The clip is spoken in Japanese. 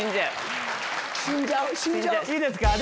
いいですか？